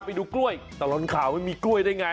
ไปดูกล้วยตลอดข่าวไม่มีกล้วยได้ไง